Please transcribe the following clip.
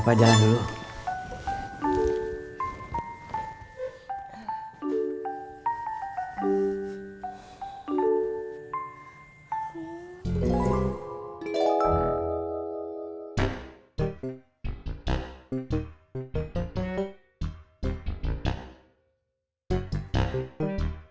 bapak jalan dulu